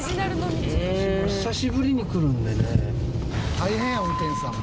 大変や運転手さんも。